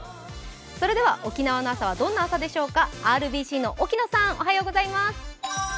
それでは沖縄の朝はどんな朝でしょうか。